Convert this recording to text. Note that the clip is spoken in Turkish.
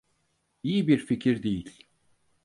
İyi bir fikir değil.